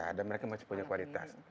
iya dan mereka masih punya kualitas